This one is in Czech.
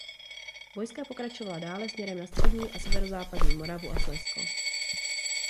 Vojska pokračovala dále směrem na střední a severozápadní Moravu a Slezsko.